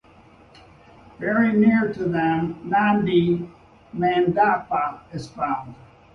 Very near to them nandhi mandapa is found.